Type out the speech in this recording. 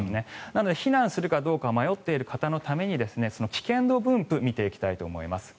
なので避難するかどうか迷っている方のために危険度分布を見ていきたいと思います。